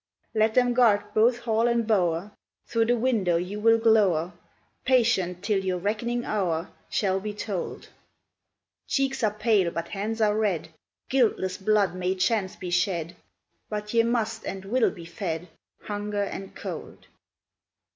Let them guard both hall and bower; Through the window you will glower, Patient till your reckoning hour Shall be tolled: Cheeks are pale, but hands are red, Guiltless blood may chance be shed, But ye must and will be fed, Hunger and Cold!